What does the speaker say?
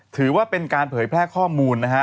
ถือว่าเป็นการเผยแพร่ข้อมูลนะฮะ